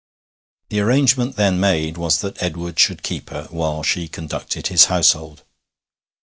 The arrangement then made was that Edward should keep her, while she conducted his household.